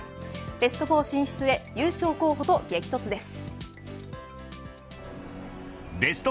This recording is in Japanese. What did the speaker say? ベスト４進出へ優勝候補と激突です。